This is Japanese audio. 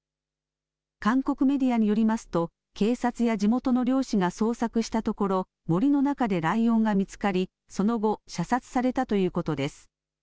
韓国メディアによりますと、警察や地元の猟師が捜索したところ、森の中でライオンが見つかり、その後、射殺されたということです。